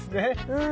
うん。